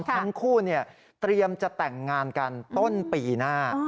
ทั้งคู่เตรียมจะแต่งงานกันต้นปีหน้า